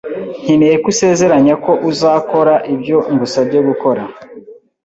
Nkeneye ko usezeranya ko uzakora ibyo ngusabye gukora